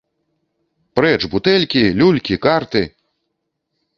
Прэч бутэлькі, люлькі, карты!